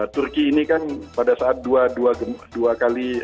turki ini kan pada saat dua kali